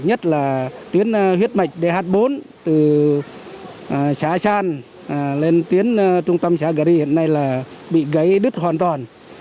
nhất là tuyến huyết mạch dh bốn từ xã san lên tuyến trung tâm xã gờ ri hiện nay là bị gãy đứt hoàn toàn